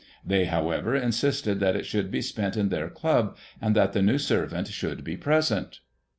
They, however, insisted that it should be spent in their Club, and that the new servant should be present.